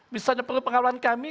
misalnya perlu pengawalan kami